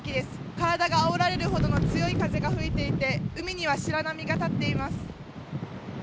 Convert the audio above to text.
体があおられるほどの強い風が吹いていて海には白波が立っています。